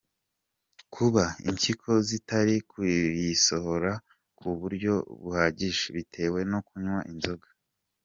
Kuba impyiko zitari kuyisohora ku buryo buhagije, bitewe no kunywa inzoga.